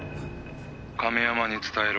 「亀山に伝えろ。